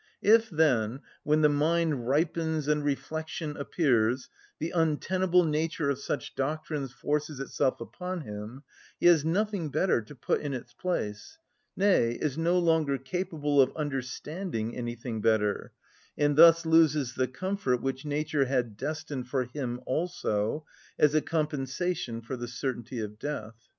If, then, when the mind ripens and reflection appears, the untenable nature of such doctrines forces itself upon him, he has nothing better to put in its place, nay, is no longer capable of understanding anything better, and thus loses the comfort which nature had destined for him also, as a compensation for the certainty of death.